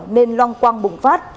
nên loang quăng bùng phát